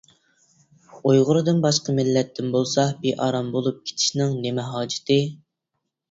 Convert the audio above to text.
ئۇيغۇردىن باشقا مىللەتتىن بولسا بىئارام بولۇپ كېتىشنىڭ نېمە ھاجىتى.